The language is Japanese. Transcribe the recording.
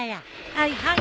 はいはい。